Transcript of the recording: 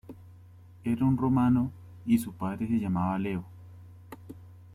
Era un romano, y su padre se llamaba Leo.